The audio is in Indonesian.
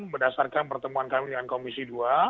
berdasarkan pertemuan kami dengan komisi dua